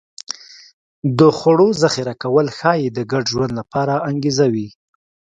د خوړو ذخیره کول ښایي د ګډ ژوند لپاره انګېزه وي